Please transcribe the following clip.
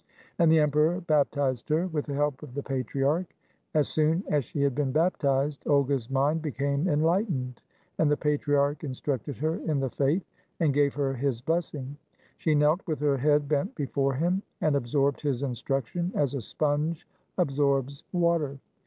And the emperor baptized her, with the help of the patriarch. As soon as she had been baptized, Olga's mind became enlightened, and the patriarch instructed her in the faith, and gave her his blessing. She knelt with her head bent before him, and absorbed his instruction as a sponge absorbs water.